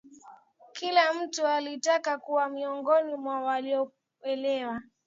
kila mtu alitaka kuwa miongoni mwa waliokolewa